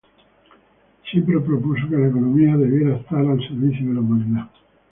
Siempre propuso que la economía debía estar al servicio de la humanidad.